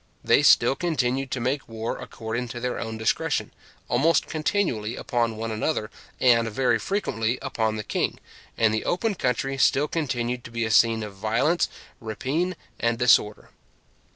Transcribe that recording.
They still continued to make war according to their own discretion, almost continually upon one another, and very frequently upon the king; and the open country still continued to be a scene of violence, rapine, and disorder.